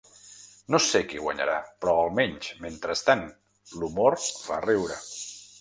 No sé qui guanyarà, però almenys, mentrestant, l’humor fa riure….